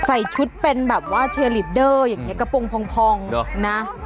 ใส่ชุดเป็นแบบว่าเชลิดเดอร์อย่างนี้กระโปรงพองนะ